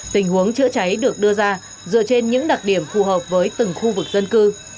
tình huống chữa cháy được đưa ra dựa trên những đặc điểm phù hợp với từng khu vực dân cư